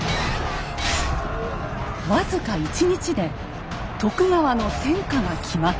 わずか１日で徳川の天下が決まった。